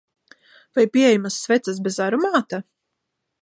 Vai pieejamas sveces bez aromāta?